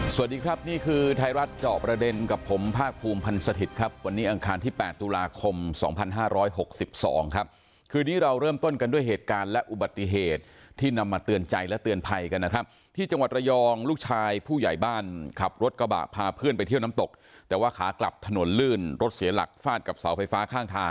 สวัสดีครับนี่คือไทยรัฐเจาะประเด็นกับผมภาคภูมิพันธ์สถิตย์ครับวันนี้อังคารที่๘ตุลาคม๒๕๖๒ครับคืนนี้เราเริ่มต้นกันด้วยเหตุการณ์และอุบัติเหตุที่นำมาเตือนใจและเตือนภัยกันนะครับที่จังหวัดระยองลูกชายผู้ใหญ่บ้านขับรถกระบะพาเพื่อนไปเที่ยวน้ำตกแต่ว่าขากลับถนนลื่นรถเสียหลักฟาดกับเสาไฟฟ้าข้างทาง